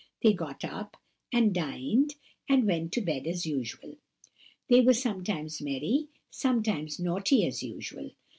They got up, and dined, and went to bed as usual. They were sometimes merry, sometimes naughty, as usual.